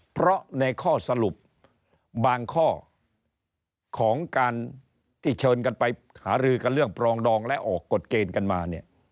เพราะในข้อสรุปบางข้อของการที่เชิญกันไปหารือกันเรื่องปรองดองและออกกฎเกณฑ์กันมาเนี่ย